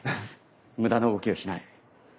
無駄な動きをしない。